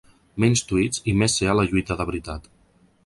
Menys tweets i més ser a la lluita de veritat.